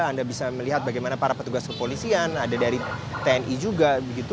anda bisa melihat bagaimana para petugas kepolisian ada dari tni juga